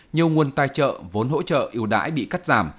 nhiều nguồn tài trợ vốn hỗ trợ yêu đãi bị cắt giảm